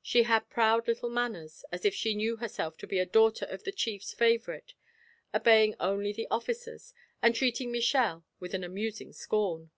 She had proud little manners, as if she knew herself to be a daughter of the chief's favorite, obeying only the officers and treating Michel with an amusing scorn.